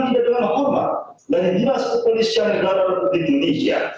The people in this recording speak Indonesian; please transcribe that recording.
tidak dengan hormat dari dinas kepolisian negara republik indonesia